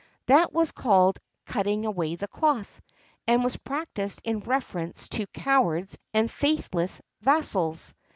That was called "cutting away the cloth," and was practised in reference to cowards and faithless vassals.